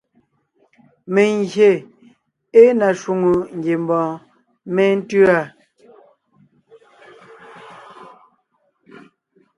Mengyè ée na shwòŋo ngiembɔɔn méntʉ̂a.